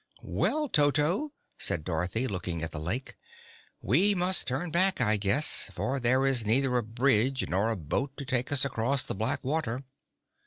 "Well, Toto," said Dorothy, looking at the lake, "we must turn back, I guess, for there is neither a bridge nor a boat to take us across the black water."